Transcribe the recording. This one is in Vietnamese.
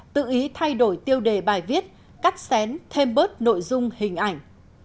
tự ý thay đổi tiêu đề bài viết cắt xén thêm bớt nội dung hình ảnh